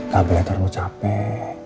kabeh terlalu capek